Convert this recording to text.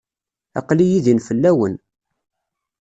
Aql-iyi din fell-awen.